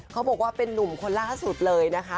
เขาบอกว่าเป็นนุ่มคนล่าสุดเลยนะคะ